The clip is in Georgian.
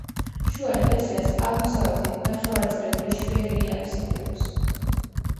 შუა ეკლესიას აღმოსავლეთით ნახევარწრიული შვერილი აფსიდი აქვს.